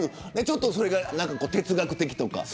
それが哲学的とか。